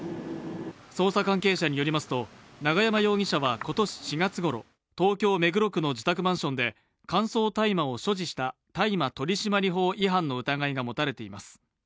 捜査関係者によりますと、永山容疑者は今年４月ごろ、東京・目黒区の自宅マンションで乾燥大麻を所持した大麻取締法違反の疑いが持たれています。